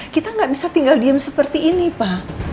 kita nggak bisa tinggal diem seperti ini pak